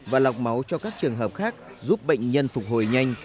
và lọc máu cho các trường hợp khác giúp bệnh nhân phục hồi nhanh